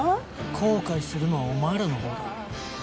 後悔するのはお前らのほうだ。